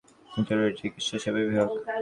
জরুরি চিকিৎসা সেবা বিভাগ।